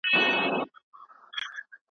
ماشومان مو سوله غواړي.